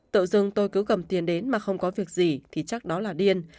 tự dưng tôi cứ gầm tiền đến mà không có việc gì thì chắc đó là điên